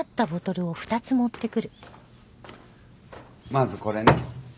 まずこれね。